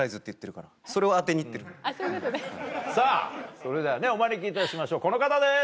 それではねお招きいたしましょうこの方です。